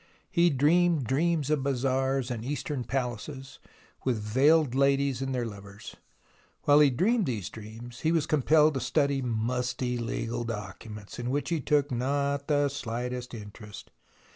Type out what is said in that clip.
He dreamed dreams of bazaars and eastern palaces, with veiled ladies and their lovers. While he dreamed these dreams he was compelled to study musty legal documents, in which he took not the slightest interest.